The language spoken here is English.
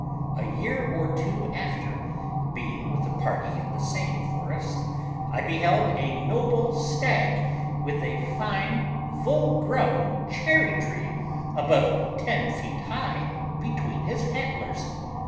A year or two after, being with a party in the same forest, I beheld a noble stag with a fine full grown cherry tree above ten feet high between his antlers.